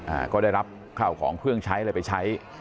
อ่าก็ได้รับข้าวของเครื่องใช้อะไรไปใช้